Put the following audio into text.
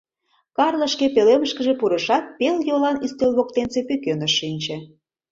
Карло шке пӧлемышкыже пурышат, пел йолан ӱстел воктенсе пӱкеныш шинче.